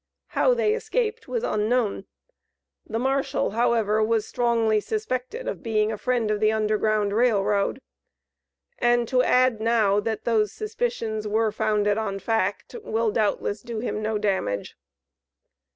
How they escaped was unknown; the Marshal, however, was strongly suspected of being a friend of the Underground Rail Road, and to add now, that those suspicions were founded on fact, will, doubtless, do him no damage.